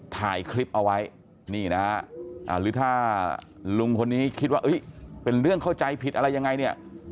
ถ่ายคลิปเอาไว้นี่นะฮะหรือถ้าลุงคนนี้คิดว่าเป็นเรื่องเข้าใจผิดอะไรยังไงเนี่ย